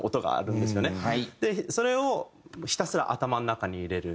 それをひたすら頭の中に入れる。